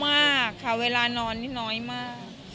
มีความคันงานมาก